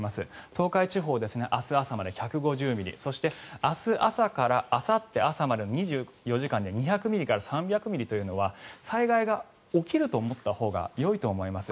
東海地方、明日朝まで１５０ミリそして、明日朝からあさって朝までの２４時間で２００ミリから３００ミリというのは災害が起きると思ったほうがよいと思います。